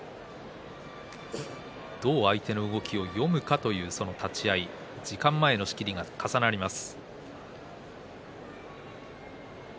どう相手の動きを読むかという、その立ち合い時間前の仕切りが重なります。